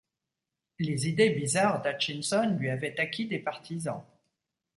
Les idées bizarres d'Hutchinson lui avaient acquis des partisans.